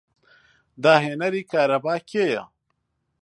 داهێنەری کارەبا کێیە؟